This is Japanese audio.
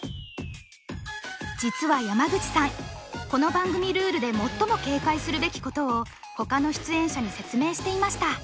実は山口さんこの番組ルールで最も警戒するべきことをほかの出演者に説明していました。